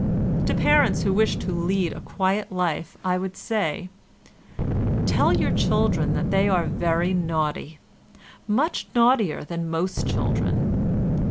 To parents who wish to lead a quiet life I would say: Tell your children that they are very naughty—much naughtier than most children.